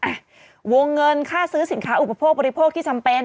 อ่ะวงเงินค่าซื้อสินค้าอุปโภคบริโภคที่จำเป็น